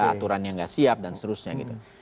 aturan yang nggak siap dan seterusnya gitu